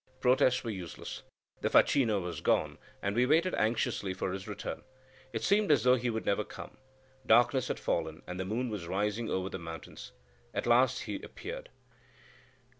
Protests were useless. The facchino was gone, and we waited anxiously for his return. It seemed as though he would never come. Darkness had fallen, and the moon was rising over the mountains. At last he appeared.